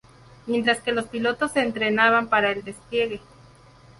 Mientras que los pilotos se entrenaban para el despliegue.